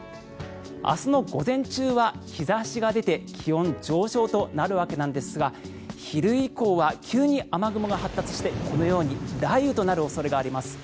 明日の午前中は日差しが出て気温上昇となるわけですが昼以降は急に雨雲が発達してこのように雷雨となる恐れがあります。